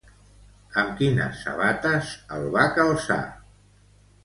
Amb quines sabates el va calçar?